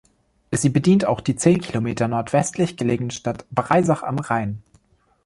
Sie bedient auch die zehn Kilometer nordwestlich gelegene Stadt Breisach am Rhein.